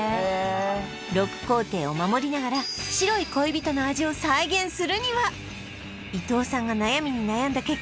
６工程を守りながら白い恋人の味を伊藤さんが悩みに悩んだ結果